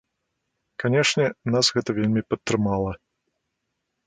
Канешне, нас гэта вельмі падтрымала.